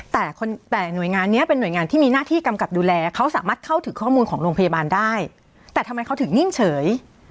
แต่คนแต่หน่วยงานนี้เป็นหน่วยงานที่มีหน้าที่กำกับดูแลเขาสามารถเข้าถึงข้อมูลของโรงพยาบาลได้แต่ทำไมเขาถึงนิ่งเฉย